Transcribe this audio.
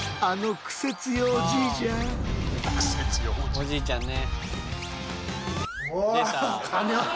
おじいちゃんね。